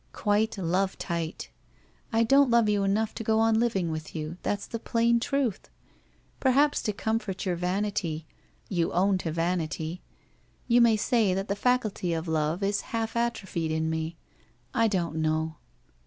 — quite love tight. I don't love you enough to go on living with you, that's the plain truth. Perhaps to comfort your vanity — you own to vanity! — you may say that the faculty of love is half atrophied in me. I don't know